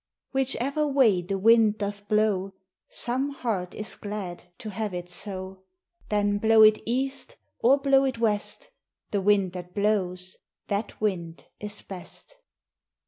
Whichever way the wind doth blow, Some heart is glad to have it so; Then blow it east or blow it west, The wind that blows, that wind is best.